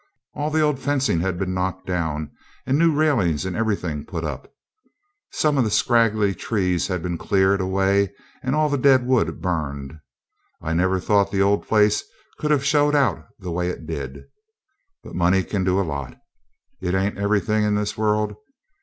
All the old fencing had been knocked down, and new railings and everything put up. Some of the scraggy trees had been cleared away, and all the dead wood burned. I never thought the old place could have showed out the way it did. But money can do a lot. It ain't everything in this world.